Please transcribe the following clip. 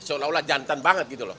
seolah olah jantan banget gitu loh